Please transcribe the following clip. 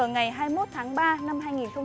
ngày hai mươi một tháng ba năm hai nghìn một mươi chín